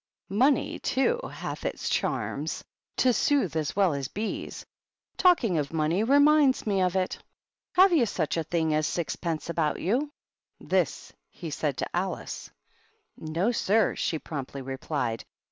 "Money, too, hath its charms to soothe as well as bees. Talking of money reminds me of it. Have you such a thing as sixpence about you ?" This he said to Alice. "No, sir!" she promptly replied.